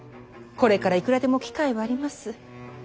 これからいくらでも機会はあります。